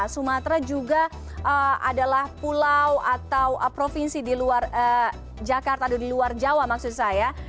sumatera juga adalah pulau atau provinsi di luar jakarta atau di luar jawa maksud saya